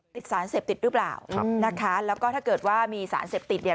ติดสารเสพติดหรือเปล่านะคะแล้วก็ถ้าเกิดว่ามีสารเสพติดเนี่ย